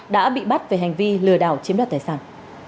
đã bị bắt về hành vi lừa đảo chiếm đoạt tài sản